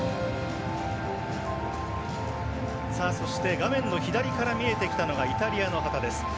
画面左から見えてきたのがイタリアの旗です。